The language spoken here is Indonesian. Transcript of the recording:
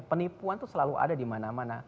penipuan itu selalu ada di mana mana